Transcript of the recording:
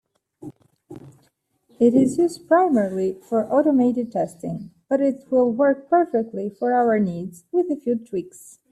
It is used primarily for automated testing, but it will work perfectly for our needs, with a few tweaks.